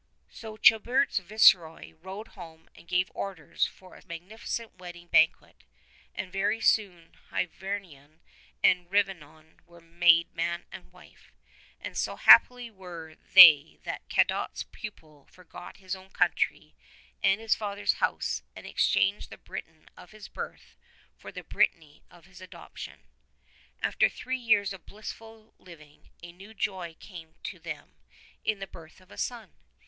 So Childebert's viceroy rode 'home and gave orders for a magnificent wedding banquet, and very soon Hyvarnion and Rivanon were made man and wife. And so happy were they that Cadoc's pupil forgot his own country and his father's house, and exchanged the Britain of his birth for the Brittany of his adoption. After three years of blissful living a new joy came to them in the birth of a son.